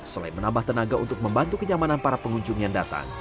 selain menambah tenaga untuk membantu kenyamanan para pengunjung yang datang